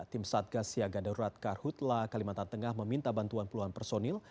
tim satgas siaga darurat karhutla kalimantan tengah meminta bantuan puluhan personil